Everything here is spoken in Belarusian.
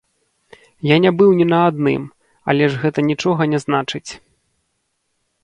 Я не быў ні на адным, але ж гэта нічога не значыць.